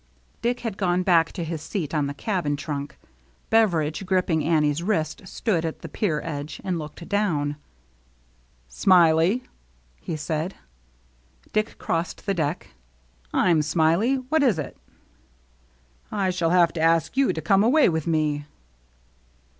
Dick had gone back to his seat on the cabin trunk. Beveridge, gripping Annie's wrist, stood at the pier edge, and looked down. " Smiley," he said. Dick crossed the deck. "Fm Smiley. What is it?" 210 THE MERRT ANNE " I shall have to ask you to come away with me."